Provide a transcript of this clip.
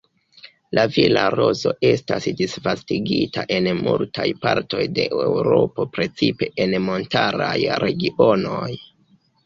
La vila rozo estas disvastigita en multaj partoj de Eŭropo precipe en montaraj regionoj.